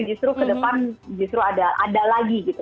justru ke depan justru ada lagi gitu